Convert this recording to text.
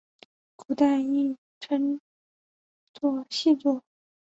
古代亦称作细作。